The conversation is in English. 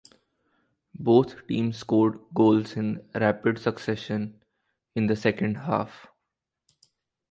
Both teams scored goals in rapid succession in the second half.